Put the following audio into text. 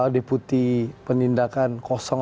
deputi penindakan kosong